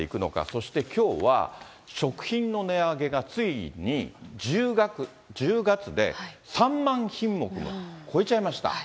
そしてきょうは、食品の値上げがついに１０月で３万品目も超えちゃいました。